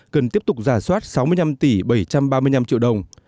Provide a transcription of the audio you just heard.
cần tiếp tục giả soát sáu mươi năm tỷ bảy trăm ba mươi năm triệu đồng